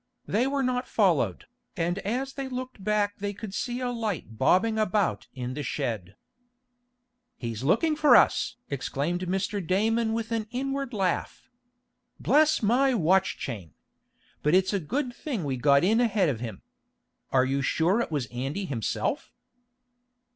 They were not followed, and as they looked back they could see a light bobbing about in the shed. "He's looking for us!" exclaimed Mr. Damon with an inward laugh. "Bless my watch chain! But it's a good thing we got in ahead of him. Are you sure it was Andy himself?"